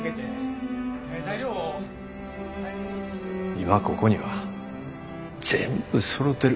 今ここには全部そろてる。